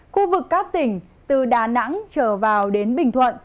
khu vực các tỉnh từ đà nẵng trở vào đến bình thuận